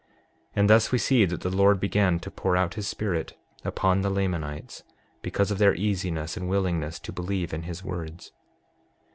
6:36 And thus we see that the Lord began to pour out his Spirit upon the Lamanites, because of their easiness and willingness to believe in his words.